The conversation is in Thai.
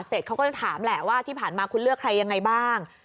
เสร็จเขาก็จะถามแหละว่าที่ผ่านมาคุณเลือกใครยังไงบ้าง